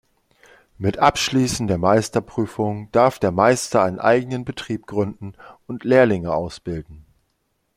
Mit Abschließen der Meisterprüfung darf der Meister einen eigenen Betrieb gründen und Lehrlinge ausbilden.